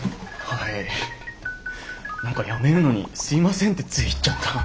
はい何か辞めるのにすいませんってつい言っちゃった。